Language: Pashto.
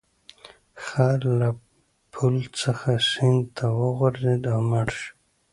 خر له پل څخه سیند ته وغورځید او مړ شو.